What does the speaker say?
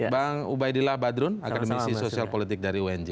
bang ubaidillah badrun akademisi sosial politik dari unj